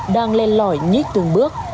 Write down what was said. đang lên lõi nhít từng bước